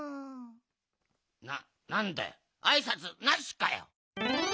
ななんだよあいさつなしかよ。